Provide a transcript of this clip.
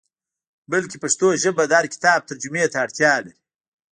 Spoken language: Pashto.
بلکې پښتو ژبه د هر کتاب ترجمې ته اړتیا لري.